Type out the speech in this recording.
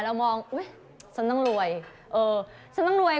เรามองอุ๊ยฉันต้องรวยเออฉันต้องรวย